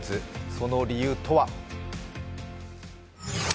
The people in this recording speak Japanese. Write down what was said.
その理由とは？